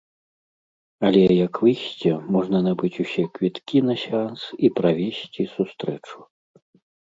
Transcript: Але як выйсце можна набыць усе квіткі на сеанс і правесці сустрэчу.